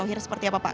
atau seperti apa pak